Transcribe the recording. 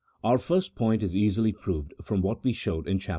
Our first point is easily proved from what we showed in Chap.